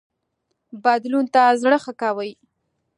بدلون ته زړه ښه کوي